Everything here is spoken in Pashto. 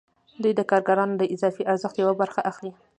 دوی د کارګرانو د اضافي ارزښت یوه برخه اخلي